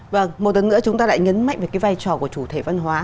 và một lần nữa chúng ta lại nhấn mạnh về cái vai trò của chủ thể văn hóa